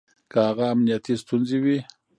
که هغه امنيتي ستونزې وي